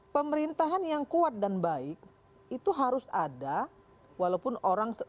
pemerintahan yang kuat dan baik itu harus ada walaupun orang